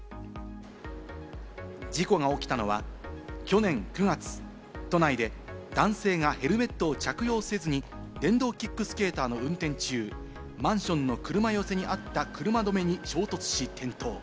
事故が起きたのは去年９月、都内で男性がヘルメットを着用せずに、電動キックスケーターの運転中、マンションの車寄せにあった車止めに衝突し、転倒。